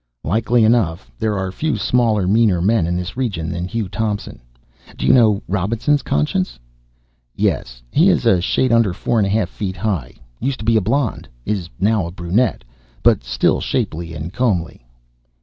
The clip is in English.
"Likely enough. There are few smaller, meaner men in this region than Hugh Thompson. Do you know Robinson's conscience?" "Yes. He is a shade under four and a half feet high; used to be a blond; is a brunette now, but still shapely and comely."